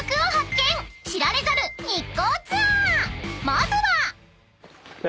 ［まずは］